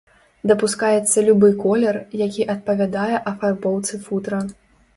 Дапускаецца любы колер, які адпавядае афарбоўцы футра.